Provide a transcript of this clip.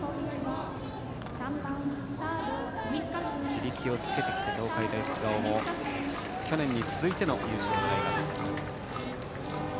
地力をつけてきた東海大菅生も去年に続いての優勝を狙います。